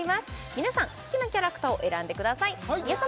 皆さん好きなキャラクターを選んでくださいやさ